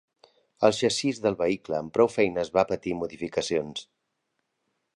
El xassís del vehicle amb prou feines va patir modificacions.